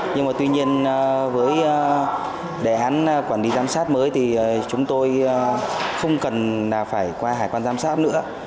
nhưng mà tuy nhiên với đề án quản lý giám sát mới thì chúng tôi không cần là phải qua hải quan giám sát nữa